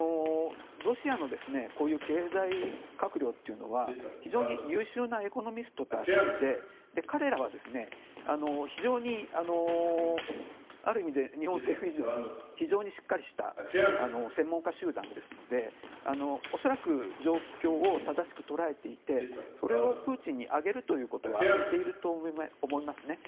ロシアのこういう経済閣僚というのは非常に優秀なエコノミストたちで彼らは非常にある意味で日本政府以上に非常にしっかりした専門家集団ですので恐らく、状況を正しく捉えていてそれをプーチンに上げることはしていると思います。